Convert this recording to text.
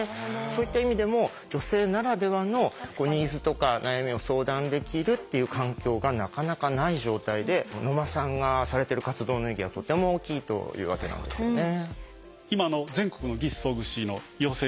そういった意味でも女性ならではのニーズとか悩みを相談できるっていう環境がなかなかない状態で野間さんがされてる活動の意義はとても大きいというわけなんですよね。